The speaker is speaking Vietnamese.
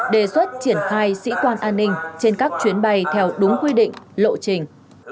đề xuất triển khai sĩ quan an ninh trên các chuyến bay theo đúng quy định lộ trình